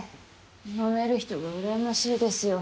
飲める人が羨ましいですよ